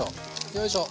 よいしょ。